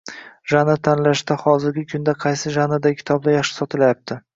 Janr tanlashda hozirgi kunda qaysi janrlardagi kitoblar yaxshi sotilayapti